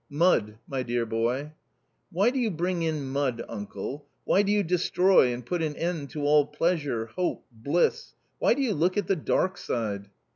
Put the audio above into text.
" Mud, my dear boy." j " W&y do you bring in mud, uncle, why do you destroy and put an end to all pleasure, hope, bliss — why do you look at the dark side